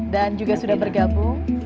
dan juga sudah bergabung